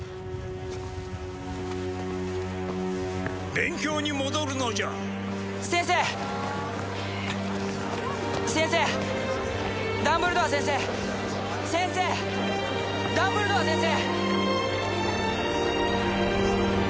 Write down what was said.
勉強に戻るのじゃ先生先生ダンブルドア先生先生ダンブルドア先生